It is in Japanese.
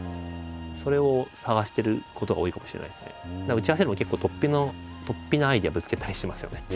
打ち合わせでも結構突飛なアイデアぶつけたりしますよね。